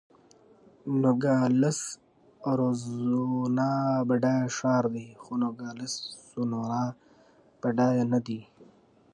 د نوګالس اریزونا بډایه ښار دی، خو نوګالس سونورا بډایه نه دی.